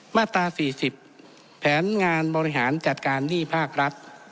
มาตรา๔๐แผนงานบริหารจัดการหนี้ภาครัฐ